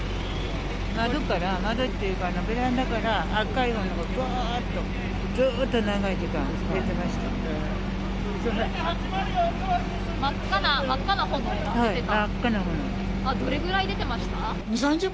窓から、窓っていうかベランダから赤い炎がぶわーっと、ずーっと長い時間真っ赤な炎が出てた？